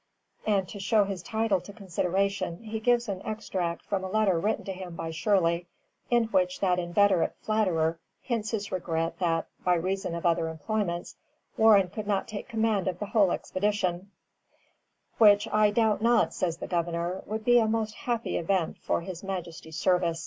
And to show his title to consideration, he gives an extract from a letter written to him by Shirley, in which that inveterate flatterer hints his regret that, by reason of other employments, Warren could not take command of the whole expedition, "which I doubt not," says the Governor, "would be a most happy event for his Majesty's service."